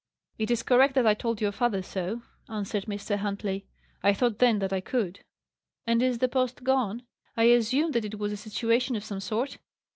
"It is correct that I told your father so," answered Mr. Huntley. "I thought then that I could." "And is the post gone? I assume that it was a situation of some sort?"